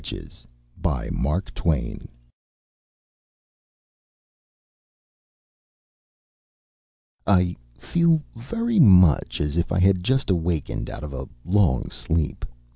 CLEMENS IN CARSON CITY I feel very much as if I had just awakened out of a long sleep.